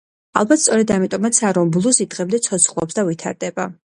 ალბათ სწორედ ამიტომაცაა, რომ ბლუზი დღემდე ცოცხლობს და ვითარდება.